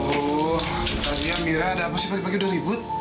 oh tadinya mira ada apa sih pagi pagi udah ribut